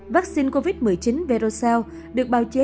vắc xin covid một mươi chín verocell được bào chế